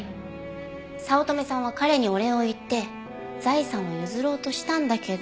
早乙女さんは彼にお礼を言って財産を譲ろうとしたんだけど。